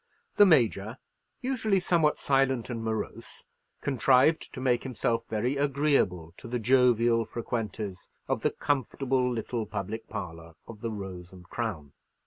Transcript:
The Major, usually somewhat silent and morose, contrived to make himself very agreeable to the jovial frequenters of the comfortable little public parlour of the Rose and Crown.